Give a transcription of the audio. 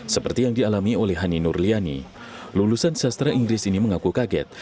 seperti yang dialami oleh hani nur liani lulusan sastra inggris ini mengaku kaget